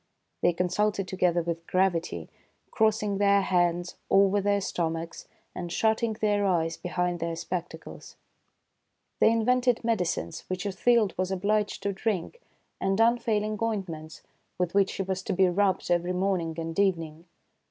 They consulted together with gravity, crossing their hands over their stomachs and shutting their eyes behind their spectacles. They 9 * 92 THE FAIRY SPINNING WHEEL invented medicines, which Othilde was obliged to drink, and unfailing ointments, with which she was to be rubbed every morning and evening.